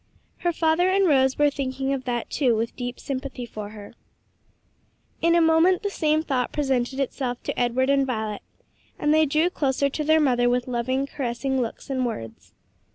Her father and Rose were thinking of that, too, with deep sympathy for her. In a moment the same thought presented itself to Edward and Violet, and they drew closer to their mother with loving, caressing looks and words.